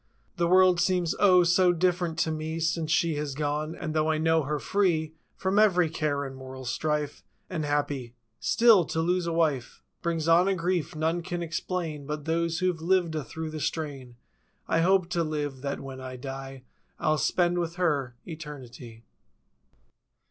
The world seems O, so different to me Since she has gone. And though I know her free From every care and mortal strife. And happy—still, to lose a wife Brings on a grief, none can explain But those who've lived a through the strain. I hope to live, that when I die Fll spend, with her—eternity.